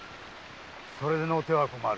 それでのうては困る。